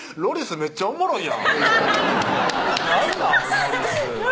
めっちゃおもろいやんなんなん？